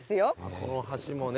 この橋もね